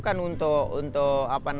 saat memburu makanan